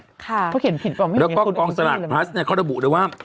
เขาเขียนผิดแล้วก็กองสลากพลัสเนี่ยเขาระบุเลยว่า